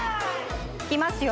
いきますよ。